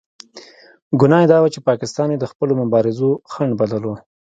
ګناه یې دا وه چې پاکستان یې د خپلو مبارزو خنډ بللو.